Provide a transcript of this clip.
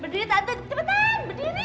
berdiri tante cepetan berdiri